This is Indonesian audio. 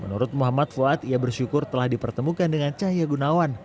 menurut muhammad fuad ia bersyukur telah dipertemukan dengan cahaya gunawan